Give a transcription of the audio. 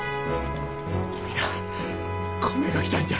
皆米が来たんじゃ。